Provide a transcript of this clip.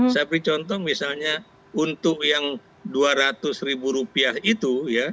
saya beri contoh misalnya untuk yang dua ratus ribu rupiah itu ya